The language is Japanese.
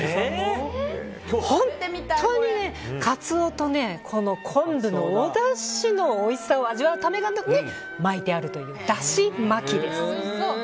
本当にカツオと昆布のおだしのおいしさを味わうために巻いてあるというだし巻きです。